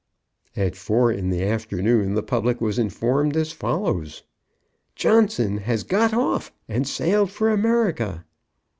At four in the afternoon the public was informed as follows; Johnson has got off, and sailed for America.